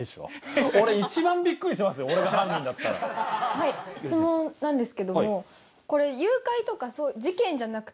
はい質問なんですけどもこれ。